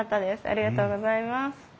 ありがとうございます。